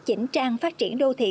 chỉnh trang phát triển đô thị